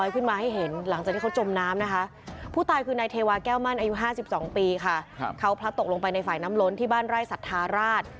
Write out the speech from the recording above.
เขาพลัดตกลงไปในฝ่ายน้ำล้นที่บ้านไร่สัทธาราช